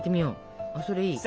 それいい。